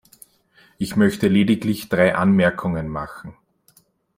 Ich möchte lediglich drei Anmerkungen machen.